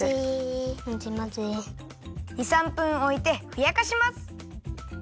２３分おいてふやかします。